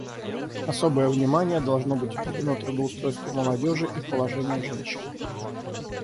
Особое внимание должно быть уделено трудоустройству молодежи и положению женщин.